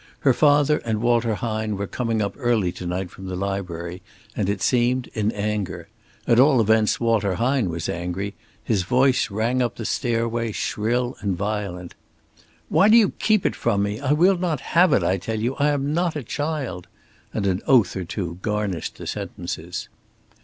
Her father and Walter Hine were coming up early to night from the library, and it seemed in anger. At all events Walter Hine was angry. His voice rang up the stairway shrill and violent. "Why do you keep it from me? I will have it, I tell you. I am not a child," and an oath or two garnished the sentences.